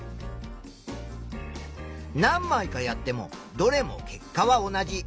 何まいかやってもどれも結果は同じ。